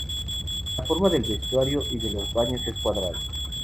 La forma del vestuario y de los baños es cuadrado.